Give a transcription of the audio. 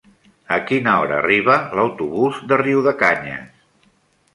A quina hora arriba l'autobús de Riudecanyes?